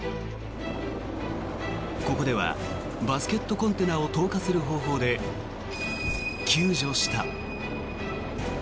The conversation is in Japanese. ここではバスケットコンテナを投下する方法で救助した。